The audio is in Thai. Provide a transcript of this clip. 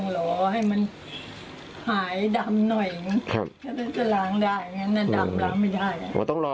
รอให้มันหาย